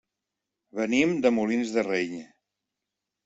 Venim de Molins de Rei.